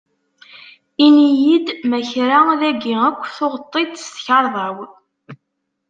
Ini-iyi-d ma kra dagi akk tuɣeḍ-t-id s tkarḍa-w?